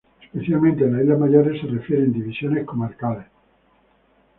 Especialmente en las islas mayores, se refieren divisiones comarcales.